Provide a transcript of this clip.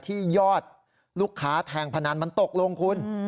ยอดลูกค้าแทงพนันมันตกลงคุณ